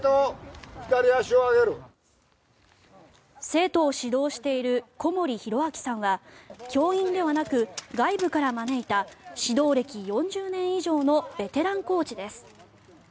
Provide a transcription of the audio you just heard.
生徒を指導している小森博昭さんは教員ではなく、外部から招いた指導歴４０年以上のベテランコーチです。